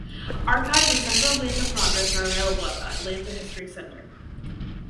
Archives of Central Atlanta Progress are available at the Atlanta History Center.